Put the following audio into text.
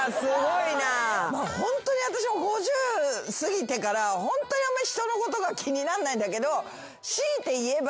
ホントに私５０過ぎてからホントにあんまり人のことが気になんないんだけど強いて言えば。